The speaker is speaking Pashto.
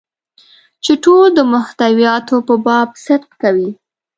چې ټول د محتویاتو په باب صدق کوي.